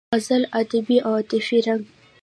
د غزل ادبي او عاطفي رنګ